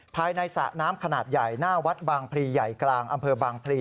สระน้ำขนาดใหญ่หน้าวัดบางพลีใหญ่กลางอำเภอบางพลี